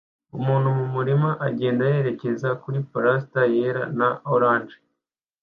Umuntu mumurima agenda yerekeza kuri parasute yera na orange